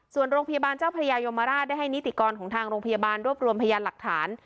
ส่วนโรงพยาบาลเจ้าพระยายมราชได้ให้นิติกรของทางโรงพยาบาลรวบรวมพยานหลักฐาน